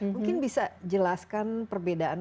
mungkin bisa jelaskan perbedaan